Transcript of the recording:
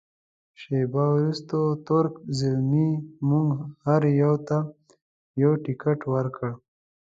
شیبه وروسته تُرک زلمي موږ هر یوه ته یو تکټ ورکړ.